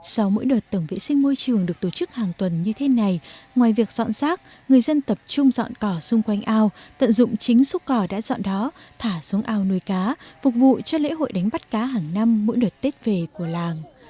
sau mỗi đợt tổng vệ sinh môi trường được tổ chức hàng tuần như thế này ngoài việc dọn rác người dân tập trung dọn cỏ xung quanh ao tận dụng chính xúc cỏ đã dọn đó thả xuống ao nuôi cá phục vụ cho lễ hội đánh bắt cá hàng năm mỗi đợt tết về của làng